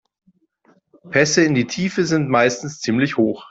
Pässe in die Tiefe sind meistens ziemlich hoch.